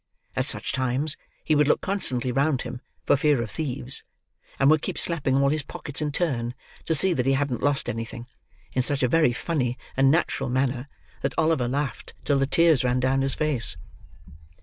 At such times, he would look constantly round him, for fear of thieves, and would keep slapping all his pockets in turn, to see that he hadn't lost anything, in such a very funny and natural manner, that Oliver laughed till the tears ran down his face.